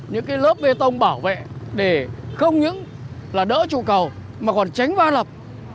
những cái lớp bê tông bảo vệ để không những là đỡ trụ cầu mà còn tránh va lập